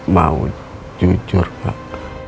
mau jujur pak